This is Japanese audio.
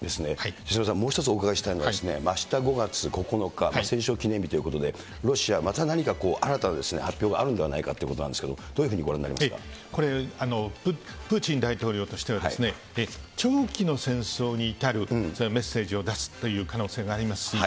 手嶋さん、もう１つ伺いたいのは、あした５月９日、戦勝記念日ということで、ロシアまた、新たな発表があるのではないかということなんですけれども、これ、プーチン大統領としてはですね、長期の戦争に至る、メッセージを出すという可能性があると思います。